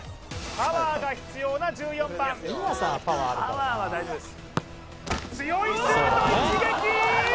パワーが必要な１４番強いシュート一撃！